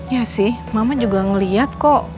ya sih mama juga melihat kok